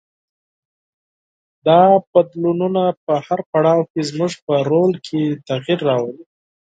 دا بدلونونه په هر پړاو کې زموږ په رول کې تغیر راولي.